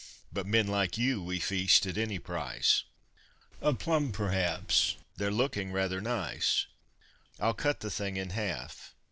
But men like you we feast at any price A plum perhaps? They're looking rather nice! I'll cut the thing in half.